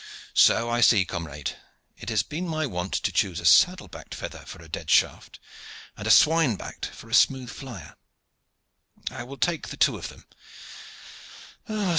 "So I see, comrade. It has been my wont to choose a saddle backed feather for a dead shaft, and a swine backed for a smooth flier. I will take the two of them.